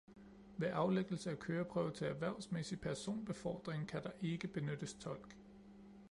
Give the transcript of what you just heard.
Ved aflæggelse af køreprøve til erhvervsmæssig personbefordring kan der ikke benyttes tolk